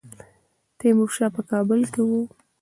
تیمورشاه په کابل کې وو.